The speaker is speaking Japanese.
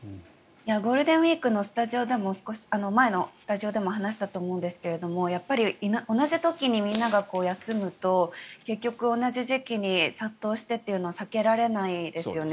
ゴールデンウィークの前のスタジオでも話したと思うんですけどもやっぱり同じ時にみんなが休むと結局同じ時期に殺到してというのは避けられないですよね。